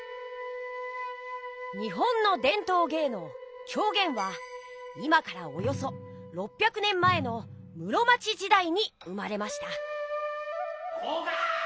日本のでんとうげいのう狂言は今からおよそ６００年前の室町時だいに生まれました。